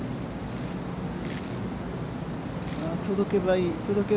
届けばいい。